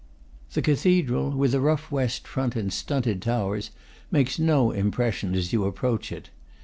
The cathedral, with a rough west front and stunted towers, makes no im pression as you approach it.